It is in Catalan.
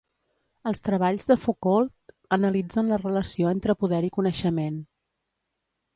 Els treballs de Foucault analitzen la relació entre poder i coneixement.